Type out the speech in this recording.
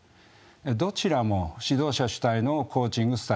どちらも指導者主体のコーチングスタイルです。